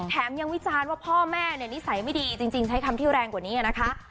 แถมยังวิจารณ์ว่าพ่อแม่เนี่ยนิสัยไม่ดีจริงใช้คำที่แรงกว่านี้นะคะ